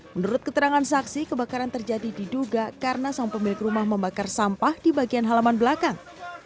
menurut keterangan saksi kebakaran terjadi diduga karena sang pemilik rumah membakar sampah di bagian halaman belakang